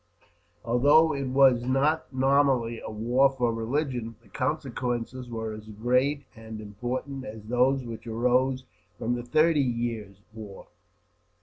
Although it was not, nominally, a war for religion, the consequences were as great and important as those which arose from the Thirty Years' War.